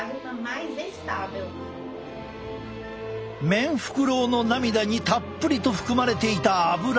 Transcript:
メンフクロウの涙にたっぷりと含まれていたアブラ。